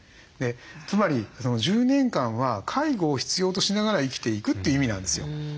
つまり１０年間は介護を必要としながら生きていくという意味なんですよ。